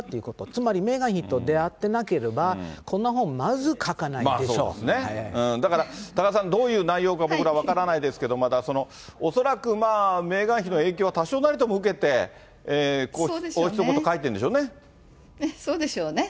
つまりメーガン妃と出会ってなければ、こんな本、まず書かないでだから、多賀さん、どういう内容か僕らは分からないですけれども、恐らく、メーガン妃の影響が多少なりとも受けて、王室のこと書いてるんでそうでしょうね。